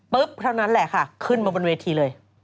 เท่านั้นแหละค่ะขึ้นมาบนเวทีเลย